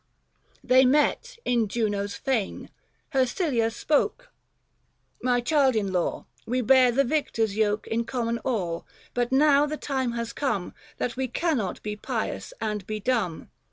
They met in Juno's fane. Hersilia spoke, — My child in law !' We bear the Victor's yoke In common all ; but now the time has come 220 That we cannot be pious and be dumb.